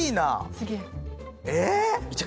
すげえ！